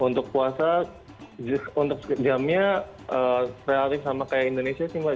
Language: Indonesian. untuk puasa untuk jamnya relatif sama kayak indonesia sih mbak